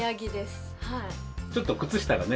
ちょっと靴下がね。